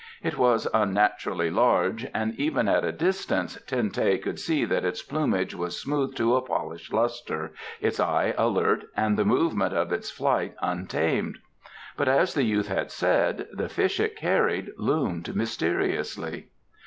It was unnaturally large, and even at a distance Ten teh could see that its plumage was smoothed to a polished lustre, its eye alert, and the movement of its flight untamed. But, as the youth had said, the fish it carried loomed mysteriously.